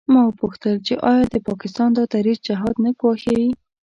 ما وپوښتل چې آیا د پاکستان دا دریځ جهاد نه ګواښي.